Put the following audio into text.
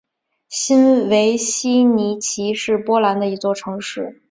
新维希尼奇是波兰的一座城市。